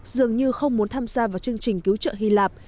dường như không muốn tham gia vào chương trình cứu trợ hy lạp